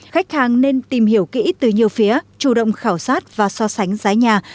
khách hàng nên tìm hiểu kỹ từ nhiều phía chủ động khảo sát và so sánh giá nhà